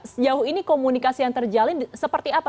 sejauh ini komunikasi yang terjalin seperti apa